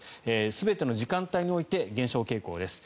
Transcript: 全ての時間帯において減少傾向です。